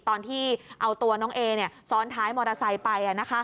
ตอนที่เอาตัวน้องเอซ้อนท้ายมอเตอร์ไซค์ไป